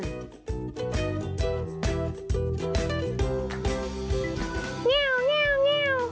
เง่า